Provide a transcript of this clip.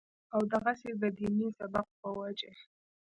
او دغسې د ديني سبق پۀ وجه